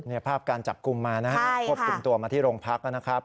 เนี่ยภาพการจับกลุ่มมานะครับพบกลุ่มตัวมาที่รงพักนะครับ